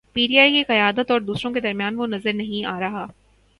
پی ٹی آئی کی قیادت اور دوسروں کے درمیان وہ نظر نہیں آ رہا۔